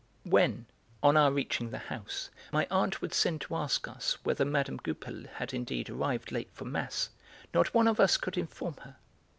When, on our reaching the house, my aunt would send to ask us whether Mme. Goupil had indeed arrived late for mass, not one of us could inform her.